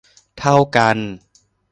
เท่ากัน